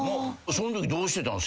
そのときどうしてたん？